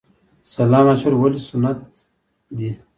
سلام اچول ولې سنت دي؟